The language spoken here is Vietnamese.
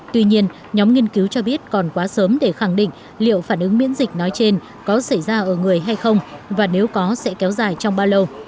tuy nhiên nhóm nghiên cứu cho biết còn quá sớm để khẳng định liệu phản ứng miễn dịch nói trên có xảy ra ở người hay không và nếu có sẽ kéo dài trong bao lâu